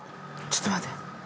ちょっと待って。